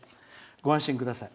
ご安心ください。